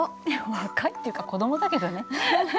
若いっていうか子どもだけどね。